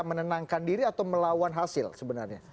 menenangkan diri atau melawan hasil sebenarnya